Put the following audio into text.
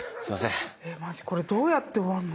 マジこれどうやって終わんの？